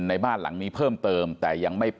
ในบ้านหลังนี้อีกทีเพิ่มเติม